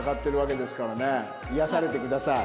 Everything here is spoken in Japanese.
癒やされてください。